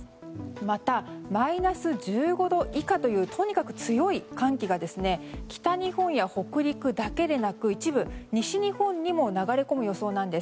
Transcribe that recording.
またマイナス１５度以下というとにかく強い寒気が北日本や北陸だけでなく一部、西日本にも流れ込む予想なんです。